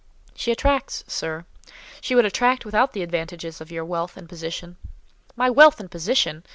"She attracts, sir: she would attract without the advantages of your wealth and position." "My wealth and position!